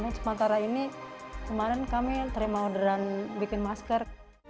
sementara ini kemarin kami terima orderan bikin masker